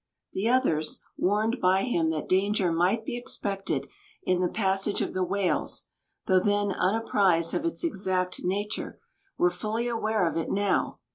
The others, warned by him that danger might be expected in the passage of the whales though then unapprised of its exact nature were fully aware of it now.